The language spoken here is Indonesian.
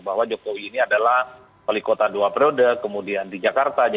bahwa jokowi ini adalah wali kota dua periode kemudian di jakarta